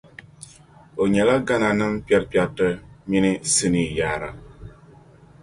O nyɛla Ghana nima kpɛrikpɛrita mini sinii yaara.